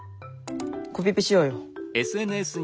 コピペしようよ。